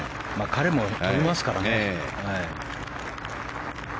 彼も飛びますからね。